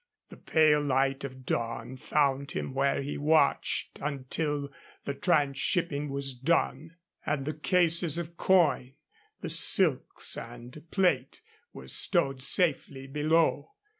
The pale light of dawn found him where he watched until the transshipping was done, and the cases of coin, the silks and plate, were stowed safely below.